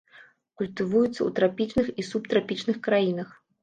Культывуецца ў трапічных і субтрапічных краінах.